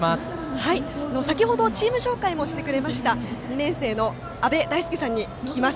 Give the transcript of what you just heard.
先程、チーム紹介もしてくれた２年生の阿部大輔さんに聞きます。